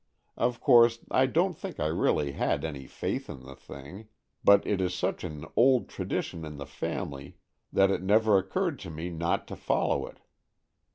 Of course, I don't think I really had any faith in the thing, but it is such an old tradition in the family that it never occurred to me not to follow it.